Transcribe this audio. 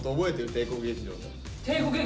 帝国劇場の。